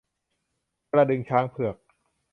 กระดึงช้างเผือก